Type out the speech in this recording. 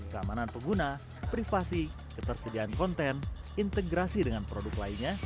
keamanan pengguna privasi ketersediaan konten integrasi dengan produk lainnya